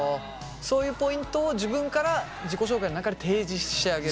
そういうポイントを自分から自己紹介の中で提示してあげる。